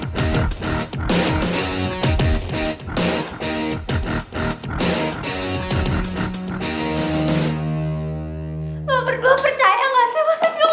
lo berdua percaya gak sih